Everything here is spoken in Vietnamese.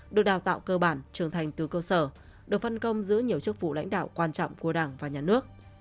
được đào tạo cơ bản trưởng thành từ cơ sở được phân công giữ nhiều chức vụ lãnh đạo quan trọng của đảng và nhà nước